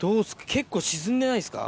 結構沈んでないですか。